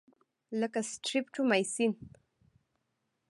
لکه سټریپټومایسین.